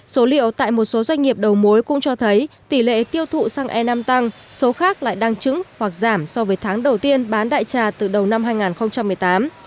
số liệu tại một số doanh nghiệp đầu mối cũng cho thấy tỷ lệ tiêu thụ xăng e năm tăng số khác lại đang trứng hoặc giảm so với tháng đầu tiên bán đại trà từ đầu năm hai nghìn một mươi tám